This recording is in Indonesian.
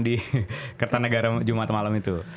di kertanegara jumat malam itu